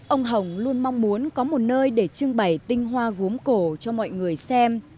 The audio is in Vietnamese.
ông hồng luôn mong muốn có một nơi để trưng bày tinh hoa gốm cổ cho mọi người xem